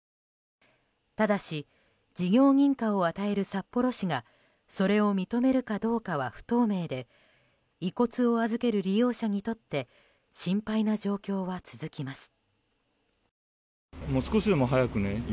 ただし事業認可を与える札幌市がそれを認めるかどうかは不透明で遺骨を預ける利用者にとって心配な状況は続きます。